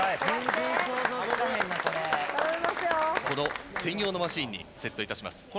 この専用のマシンにセットいたします。